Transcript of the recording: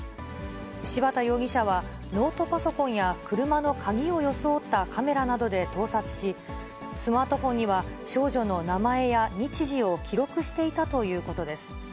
柴田容疑者は、ノートパソコンや車の鍵を装ったカメラなどで盗撮し、スマートフォンには少女の名前や日時を記録していたということです。